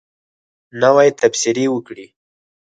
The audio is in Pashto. نوی تبصرې وکړئ